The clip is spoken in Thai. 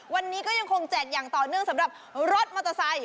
วันนี้ก็ยังคงแจกอย่างต่อเนื่องสำหรับรถมอเตอร์ไซค์